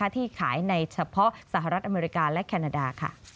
ที่ขายในเฉพาะสหรัฐอเมริกาและแคนาดา